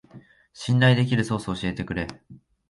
信頼できるソースを教えてくれ